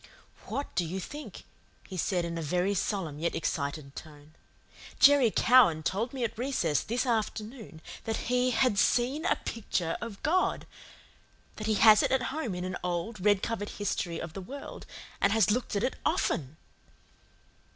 "What do you think?" he said in a very solemn, yet excited, tone. "Jerry Cowan told me at recess this afternoon that he HAD SEEN A PICTURE OF GOD that he has it at home in an old, red covered history of the world, and has looked at it OFTEN."